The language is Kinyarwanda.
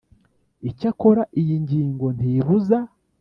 Icyakora iyi ngingo ntibuza